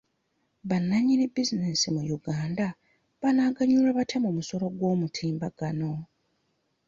Bannanyini bizinensi mu Uganda banaaganyulwa batya mu musolo gw'okumutimbagano?